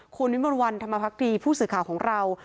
คุณวิมวลวันธรรมภักดีผู้สื่อข่าวของเรา